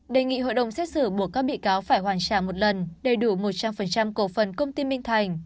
đề nghị hội đồng xét xử buộc các bị cáo phải hoàn trả một lần đầy đủ một trăm linh cổ phần công ty minh thành